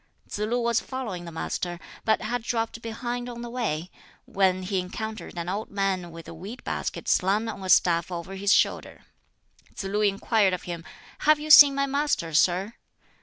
Tsz lu was following the Master, but had dropped behind on the way, when he encountered an old man with a weed basket slung on a staff over his shoulder. Tsz lu inquired of him, "Have you seen my Master, sir?"